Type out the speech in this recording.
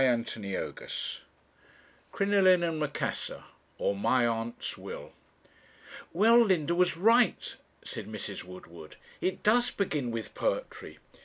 CHAPTER XXII CRINOLINE AND MACASSAR; OR, MY AUNT'S WILL 'Well, Linda was right,' said Mrs. Woodward, 'it does begin with poetry.'